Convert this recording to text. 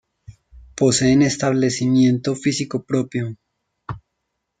Poseen establecimiento físico propio.